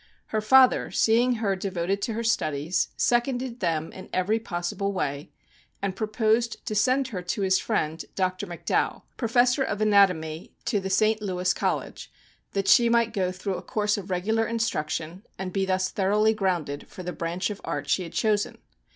Her father, seeing her devoted to her studies, seconded them in every possible way, and proposed to send her to his friend, Dr. Mc Dowell, Professor of Anatomy to the St. Louis College, that she might go through a course of regular instruction, and be thus thoroughly grounded for the branch of art she had chosen.